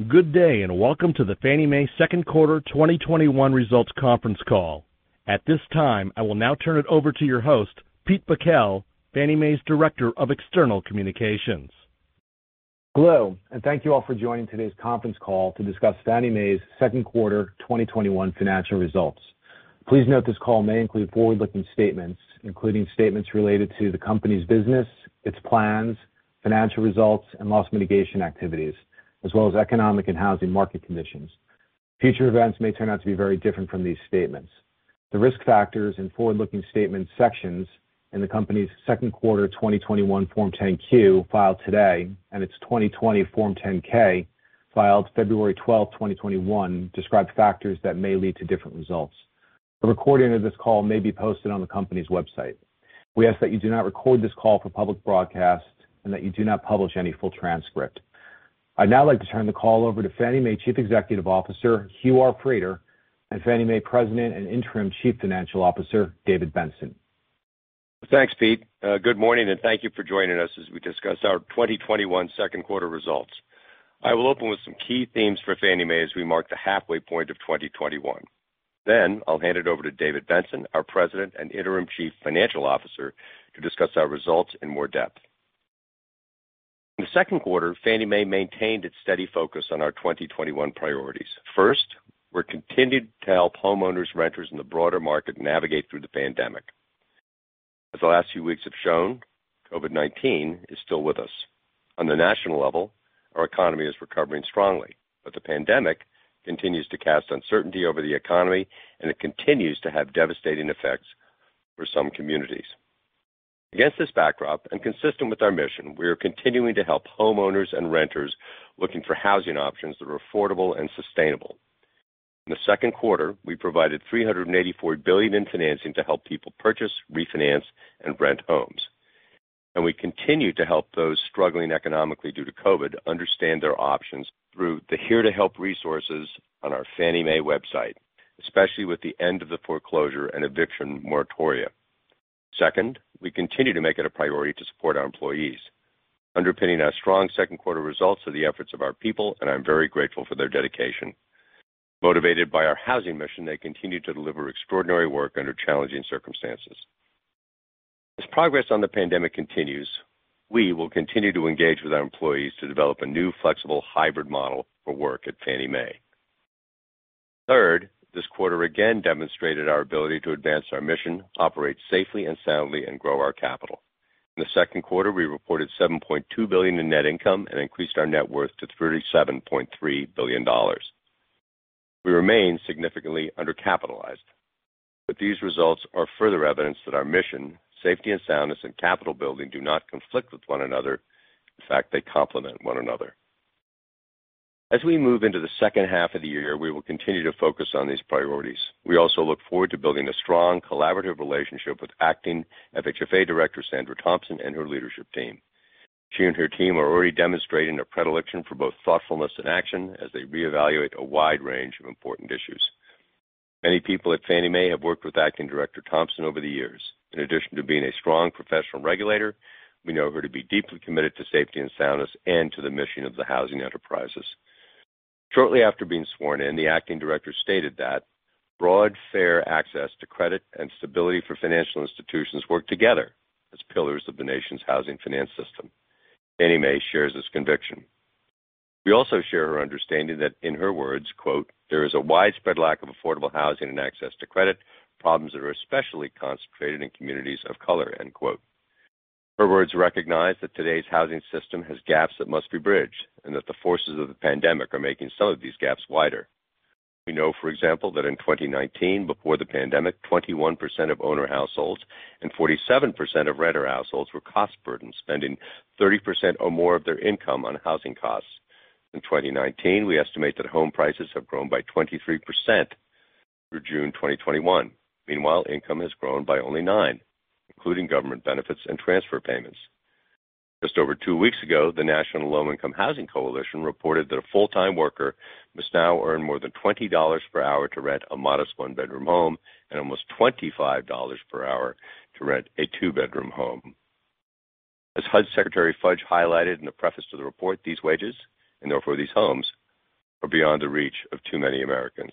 Welcome to the Fannie Mae second quarter 2021 results conference call. At this time, I will now turn it over to your host, Pete Bakel, Fannie Mae's Director of External Communications. Hello, and thank you all for joining today's conference call to discuss Fannie Mae's second quarter 2021 financial results. Please note this call may include forward-looking statements, including statements related to the company's business, its plans, financial results, and loss mitigation activities, as well as economic and housing market conditions. Future events may turn out to be very different from these statements. The risk factors and forward-looking statements sections in the company's second quarter 2021 Form 10-Q, filed today, and its 2020 Form 10-K, filed February 12th, 2021, describe factors that may lead to different results. A recording of this call may be posted on the company's website. We ask that you do not record this call for public broadcast and that you do not publish any full transcript. I'd now like to turn the call over to Fannie Mae Chief Executive Officer, Hugh R. Frater, and Fannie Mae President and Interim Chief Financial Officer, David Benson. Thanks, Pete. Good morning, and thank you for joining us as we discuss our 2021 second-quarter results. I will open with some key themes for Fannie Mae as we mark the halfway point of 2021. I'll hand it over to David Benson, our President and Interim Chief Financial Officer, to discuss our results in more depth. In the second quarter, Fannie Mae maintained its steady focus on our 2021 priorities. First, we continued to help homeowners, renters, and the broader market navigate through the pandemic. As the last few weeks have shown, COVID-19 is still with us. On the national level, our economy is recovering strongly, but the pandemic continues to cast uncertainty over the economy, and it continues to have devastating effects for some communities. Against this backdrop, and consistent with our mission, we are continuing to help homeowners and renters looking for housing options that are affordable and sustainable. In the second quarter, we provided $384 billion in financing to help people purchase, refinance, and rent homes. We continue to help those struggling economically due to COVID-19 understand their options through the Here to Help resources on our Fannie Mae website, especially with the end of the foreclosure and eviction moratoria. Second, we continue to make it a priority to support our employees. Underpinning our strong second-quarter results are the efforts of our people, and I'm very grateful for their dedication. Motivated by our housing mission, they continue to deliver extraordinary work under challenging circumstances. As progress on the pandemic continues, we will continue to engage with our employees to develop a new flexible hybrid model for work at Fannie Mae. Third, this quarter again demonstrated our ability to advance our mission, operate safely and soundly, and grow our capital. In the second quarter, we reported $7.2 billion in net income and increased our net worth to $37.3 billion. We remain significantly undercapitalized, but these results are further evidence that our mission, safety and soundness, and capital building do not conflict with one another. In fact, they complement one another. As we move into the second half of the year, we will continue to focus on these priorities. We also look forward to building a strong, collaborative relationship with Acting FHFA Director Sandra Thompson and her leadership team. She and her team are already demonstrating a predilection for both thoughtfulness and action as they reevaluate a wide range of important issues. Many people at Fannie Mae have worked with acting director Thompson over the years. In addition to being a strong professional regulator, we know her to be deeply committed to safety and soundness and to the mission of the housing enterprises. Shortly after being sworn in, the acting director stated that broad, fair access to credit and stability for financial institutions work together as pillars of the nation's housing finance system. Fannie Mae shares this conviction. We also share her understanding that, in her words, quote, "There is a widespread lack of affordable housing and access to credit, problems that are especially concentrated in communities of color." End quote. Her words recognize that today's housing system has gaps that must be bridged and that the forces of the pandemic are making some of these gaps wider. We know, for example, that in 2019, before the pandemic, 21% of owner households and 47% of renter households were cost-burdened, spending 30% or more of their income on housing costs. Since 2019, we estimate that home prices have grown by 23% through June 2021. Meanwhile, income has grown by only 9%, including government benefits and transfer payments. Just over two weeks ago, the National Low Income Housing Coalition reported that a full-time worker must now earn more than $20 per hour to rent a modest one-bedroom home and almost $25 per hour to rent a two-bedroom home. As HUD Secretary Fudge highlighted in the preface to the report, these wages, and therefore these homes, are beyond the reach of too many Americans.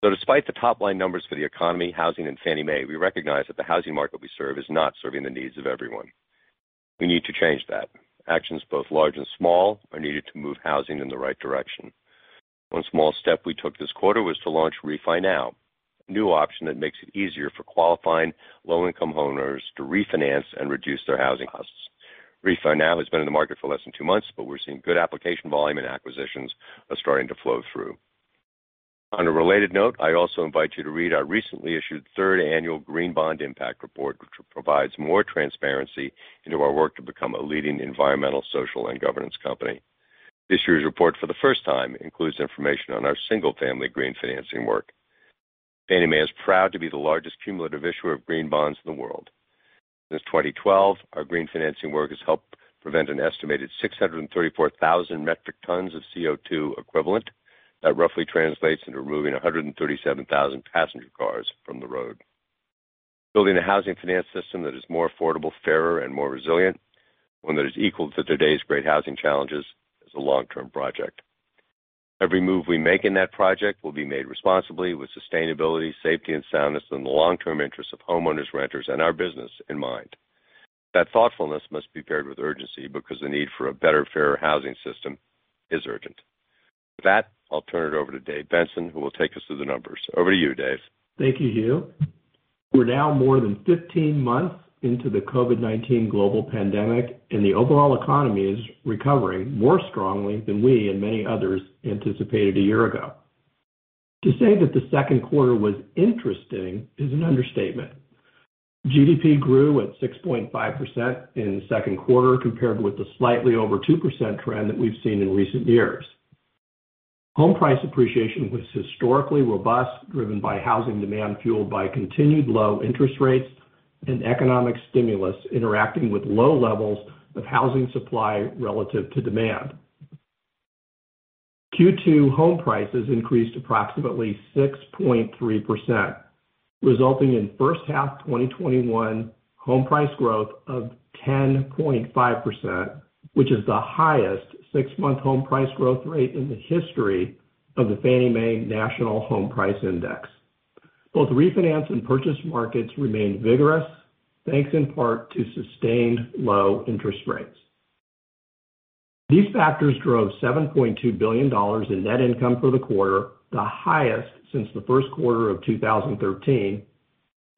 Despite the top-line numbers for the economy, housing, and Fannie Mae, we recognize that the housing market we serve is not serving the needs of everyone. We need to change that. Actions both large and small are needed to move housing in the right direction. One small step we took this quarter was to launch RefiNow, a new option that makes it easier for qualifying low-income homeowners to refinance and reduce their housing costs. RefiNow has been in the market for less than two months, but we're seeing good application volume and acquisitions are starting to flow through. On a related note, I also invite you to read our recently issued third annual Green Bond Impact Report, which provides more transparency into our work to become a leading environmental, social, and governance company. This year's report, for the first time, includes information on our single-family green financing work. Fannie Mae is proud to be the largest cumulative issuer of green bonds in the world. Since 2012, our green financing work has helped prevent an estimated 634,000 metric tons of CO2 equivalent. That roughly translates into removing 137,000 passenger cars from the road. Building a housing finance system that is more affordable, fairer, and more resilient, one that is equal to today's great housing challenges, is a long-term project. Every move we make in that project will be made responsibly with sustainability, safety, and soundness in the long-term interests of homeowners, renters, and our business in mind. That thoughtfulness must be paired with urgency because the need for a better, fairer housing system is urgent. With that, I'll turn it over to David Benson, who will take us through the numbers. Over to you, David. Thank you, Hugh. We're now more than 15 months into the COVID-19 global pandemic, and the overall economy is recovering more strongly than we and many others anticipated a year ago. To say that the second quarter was interesting is an understatement. GDP grew at 6.5% in the second quarter compared with the slightly over 2% trend that we've seen in recent years. Home price appreciation was historically robust, driven by housing demand, fueled by continued low interest rates and economic stimulus interacting with low levels of housing supply relative to demand. Q2 home prices increased approximately 6.3%, resulting in first half 2021 home price growth of 10.5%, which is the highest six-month home price growth rate in the history of the Fannie Mae Home Price Index. Both refinance and purchase markets remain vigorous, thanks in part to sustained low interest rates. These factors drove $7.2 billion in net income for the quarter, the highest since the first quarter of 2013,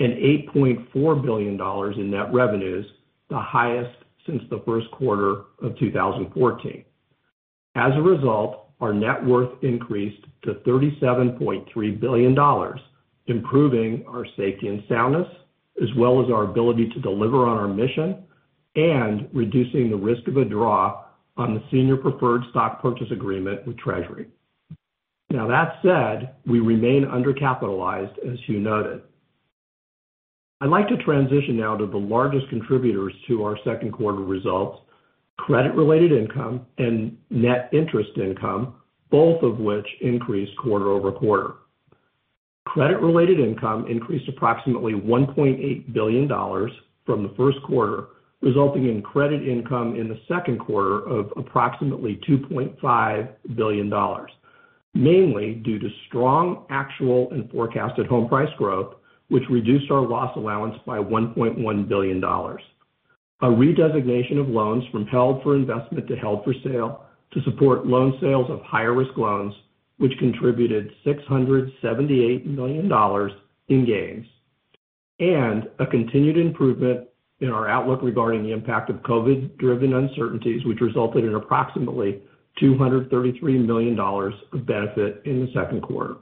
and $8.4 billion in net revenues, the highest since the first quarter of 2014. As a result, our net worth increased to $37.3 billion, improving our safety and soundness, as well as our ability to deliver on our mission, and reducing the risk of a draw on the Senior Preferred Stock Purchase Agreement with Treasury. That said, we remain undercapitalized, as Hugh noted. I'd like to transition now to the largest contributors to our second quarter results, credit-related income and net interest income, both of which increased quarter-over-quarter. Credit-related income increased approximately $1.8 billion from the first quarter, resulting in credit income in the second quarter of approximately $2.5 billion, mainly due to strong actual and forecasted home price growth, which reduced our loss allowance by $1.1 billion. A redesignation of loans from held for investment to held for sale to support loan sales of higher-risk loans, which contributed $678 million in gains, and a continued improvement in our outlook regarding the impact of COVID-driven uncertainties, which resulted in approximately $233 million of benefit in the second quarter.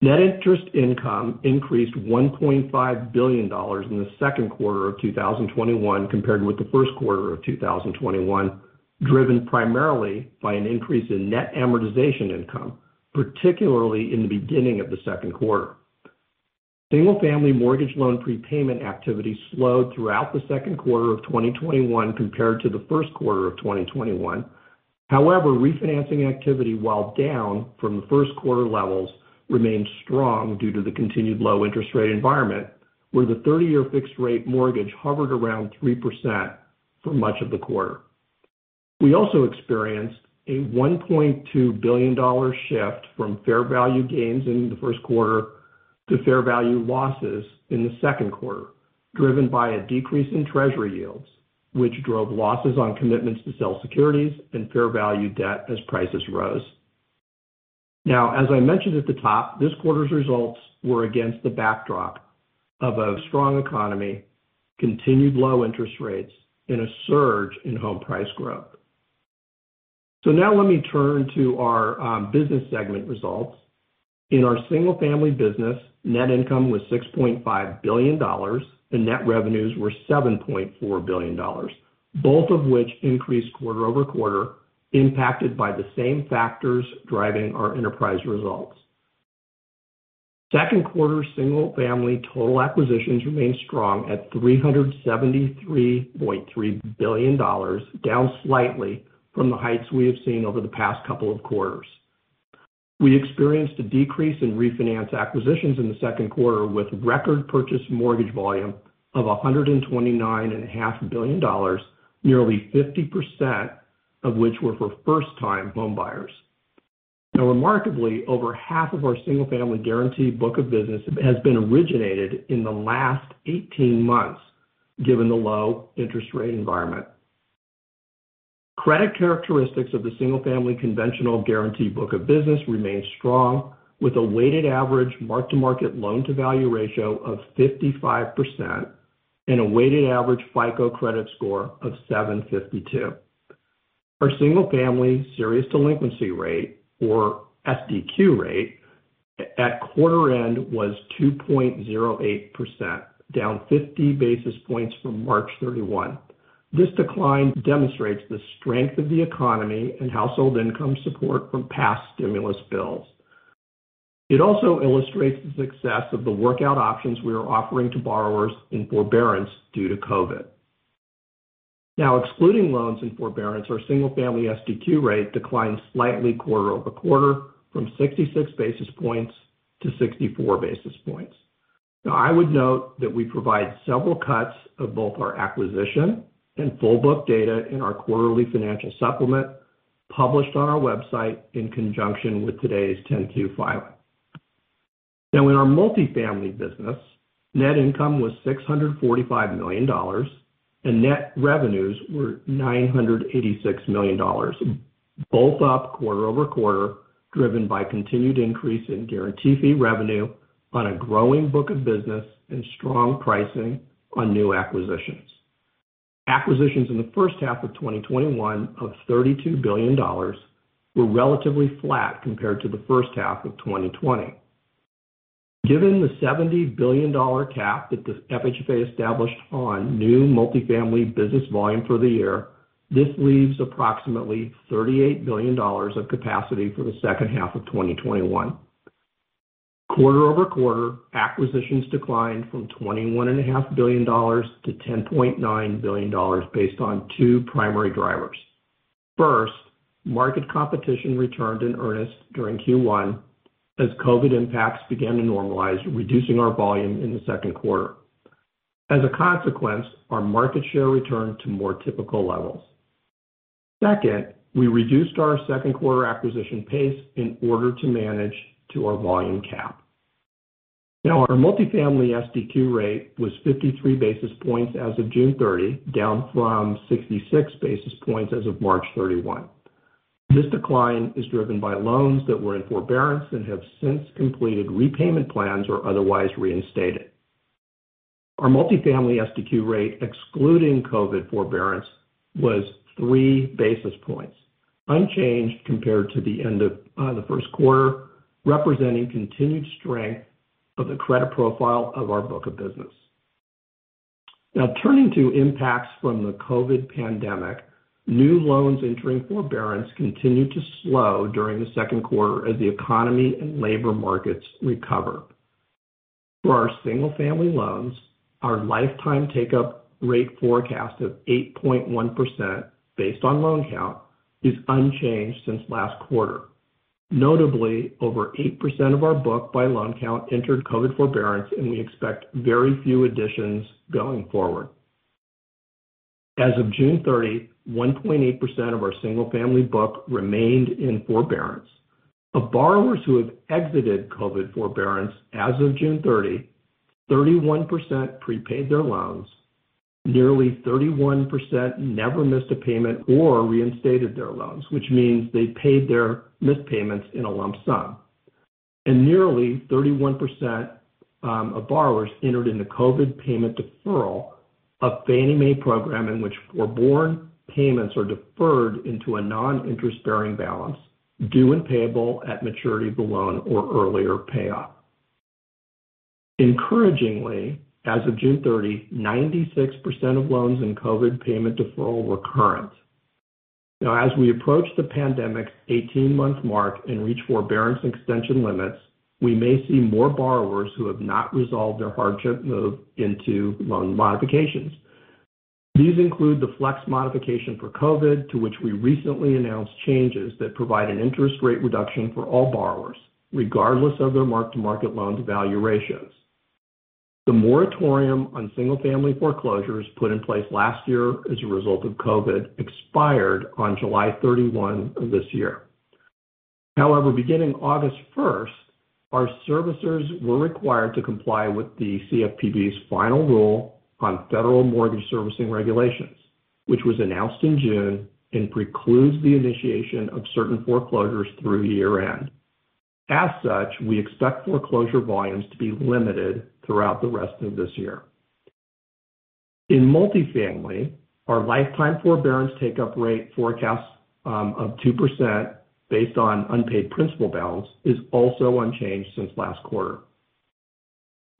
Net interest income increased $1.5 billion in the second quarter of 2021 compared with the first quarter of 2021, driven primarily by an increase in net amortization income, particularly in the beginning of the second quarter. Single-family mortgage loan prepayment activity slowed throughout the second quarter of 2021 compared to the first quarter of 2021. However, refinancing activity, while down from the first quarter levels, remained strong due to the continued low interest rate environment, where the 30-year fixed rate mortgage hovered around 3% for much of the quarter. We also experienced a $1.2 billion shift from fair value gains in the first quarter to fair value losses in the second quarter, driven by a decrease in Treasury yields, which drove losses on commitments to sell securities and fair value debt as prices rose. As I mentioned at the top, this quarter's results were against the backdrop of a strong economy, continued low interest rates, and a surge in home price growth. Now let me turn to our business segment results. In our single-family business, net income was $6.5 billion, and net revenues were $7.4 billion, both of which increased quarter-over-quarter, impacted by the same factors driving our enterprise results. Second quarter single-family total acquisitions remained strong at $373.3 billion, down slightly from the heights we have seen over the past couple of quarters. We experienced a decrease in refinance acquisitions in the second quarter with record purchase mortgage volume of $129.5 billion, nearly 50% of which were for first-time homebuyers. Remarkably, over half of our single-family guaranty book of business has been originated in the last 18 months, given the low interest rate environment. Credit characteristics of the single-family conventional guaranty book of business remains strong, with a weighted average mark-to-market loan-to-value ratio of 55% and a weighted average FICO credit score of 752. Our single-family serious delinquency rate, or SDQ rate, at quarter end was 2.08%, down 50 basis points from March 31. This decline demonstrates the strength of the economy and household income support from past stimulus bills. It also illustrates the success of the workout options we are offering to borrowers in forbearance due to COVID. Excluding loans in forbearance, our single-family SDQ rate declined slightly quarter-over-quarter from 66 basis points to 64 basis points. I would note that we provide several cuts of both our acquisition and full book data in our quarterly financial supplement published on our website in conjunction with today's 10-Q filing. In our multifamily business, net income was $645 million, and net revenues were $986 million, both up quarter-over-quarter, driven by continued increase in guaranty fee revenue on a growing book of business and strong pricing on new acquisitions. Acquisitions in the first half of 2021 of $32 billion were relatively flat compared to the first half of 2020. Given the $70 billion cap that the FHFA established on new multifamily business volume for the year, this leaves approximately $38 billion of capacity for the second half of 2021. Quarter-over-quarter, acquisitions declined from $21.5 billion to $10.9 billion based on two primary drivers. First, market competition returned in earnest during Q1 as COVID-19 impacts began to normalize, reducing our volume in the second quarter. As a consequence, our market share returned to more typical levels. Second, we reduced our second quarter acquisition pace in order to manage to our volume cap. Now our multifamily SDQ rate was 53 basis points as of June 30, down from 66 basis points as of March 31. This decline is driven by loans that were in forbearance and have since completed repayment plans or otherwise reinstated. Our multifamily SDQ rate, excluding COVID forbearance, was 3 basis points, unchanged compared to the end of the first quarter, representing continued strength of the credit profile of our book of business. Now turning to impacts from the COVID pandemic, new loans entering forbearance continued to slow during the second quarter as the economy and labor markets recover. For our single-family loans, our lifetime take-up rate forecast of 8.1%, based on loan count, is unchanged since last quarter. Notably, over 8% of our book by loan count entered COVID forbearance, and we expect very few additions going forward. As of June 30, 1.8% of our single-family book remained in forbearance. Of borrowers who have exited COVID forbearance as of June 30, 31% prepaid their loans. Nearly 31% never missed a payment or reinstated their loans, which means they paid their missed payments in a lump sum. Nearly 31% of borrowers entered into COVID-19 Payment Deferral, a Fannie Mae program in which forbearance payments are deferred into a non-interest-bearing balance due and payable at maturity of the loan or earlier payoff. Encouragingly, as of June 30, 96% of loans in COVID-19 Payment Deferral were current. As we approach the pandemic's 18-month mark and reach forbearance extension limits, we may see more borrowers who have not resolved their hardship move into loan modifications. These include the Flex Modification for COVID-19, to which we recently announced changes that provide an interest rate reduction for all borrowers, regardless of their mark-to-market loan-to-value ratios. The moratorium on single-family foreclosures put in place last year as a result of COVID-19 expired on July 31 of this year. Beginning August 1st, our servicers were required to comply with the CFPB's final rule on federal mortgage servicing regulations, which was announced in June and precludes the initiation of certain foreclosures through year-end. As such, we expect foreclosure volumes to be limited throughout the rest of this year. In multifamily, our lifetime forbearance take-up rate forecast of 2%, based on unpaid principal balance, is also unchanged since last quarter.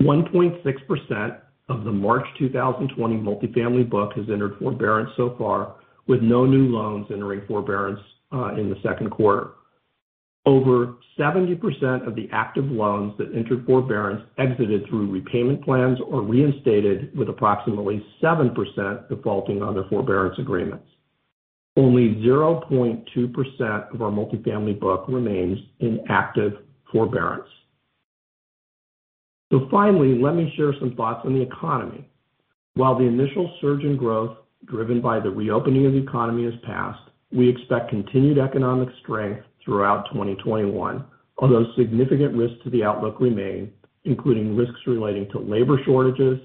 1.6% of the March 2020 multifamily book has entered forbearance so far, with no new loans entering forbearance in the second quarter. Over 70% of the active loans that entered forbearance exited through repayment plans or reinstated with approximately 7% defaulting on their forbearance agreements. Only 0.2% of our multifamily book remains in active forbearance. Finally, let me share some thoughts on the economy. While the initial surge in growth driven by the reopening of the economy has passed, we expect continued economic strength throughout 2021, although significant risks to the outlook remain, including risks relating to labor shortages,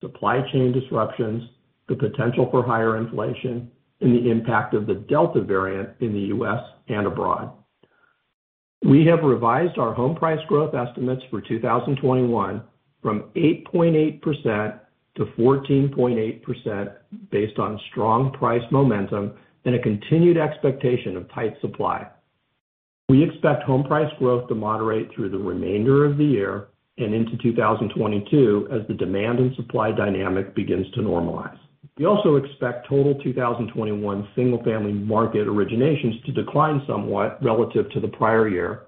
supply chain disruptions, the potential for higher inflation, and the impact of the Delta variant in the U.S. and abroad. We have revised our home price growth estimates for 2021 from 8.8% to 14.8%, based on strong price momentum and a continued expectation of tight supply. We expect home price growth to moderate through the remainder of the year and into 2022 as the demand and supply dynamic begins to normalize. We also expect total 2021 single-family mortgage originations to decline somewhat relative to the prior year,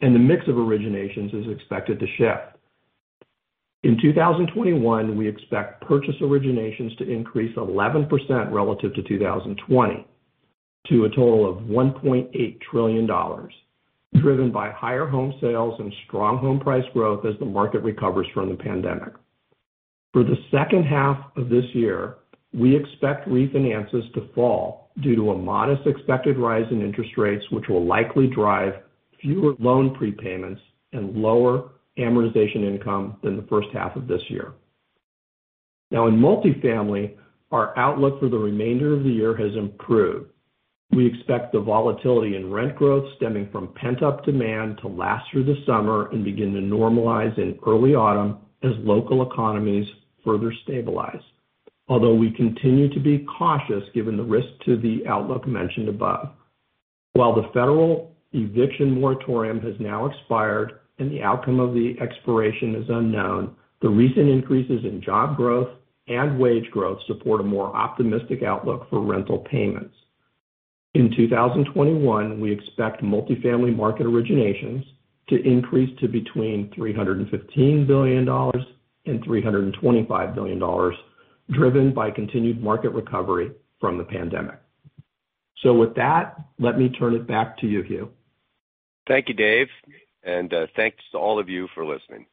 and the mix of originations is expected to shift. In 2021, we expect purchase originations to increase 11% relative to 2020 to a total of $1.8 trillion, driven by higher home sales and strong home price growth as the market recovers from the pandemic. For the second half of this year, we expect refinances to fall due to a modest expected rise in interest rates, which will likely drive fewer loan prepayments and lower amortization income than the first half of this year. Now in multifamily, our outlook for the remainder of the year has improved. We expect the volatility in rent growth stemming from pent-up demand to last through the summer and begin to normalize in early autumn as local economies further stabilize. Although we continue to be cautious given the risk to the outlook mentioned above. While the federal eviction moratorium has now expired and the outcome of the expiration is unknown, the recent increases in job growth and wage growth support a more optimistic outlook for rental payments. In 2021, we expect multifamily market originations to increase to between $315 billion and $325 billion, driven by continued market recovery from the pandemic. With that, let me turn it back to you, Hugh. Thank you, Dave, and thanks to all of you for listening.